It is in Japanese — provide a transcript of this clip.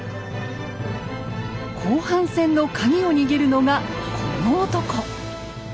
後半戦のカギを握るのがこの男。